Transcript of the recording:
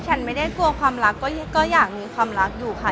ฉันไม่ได้กลัวความรักก็อยากมีความรักอยู่ค่ะ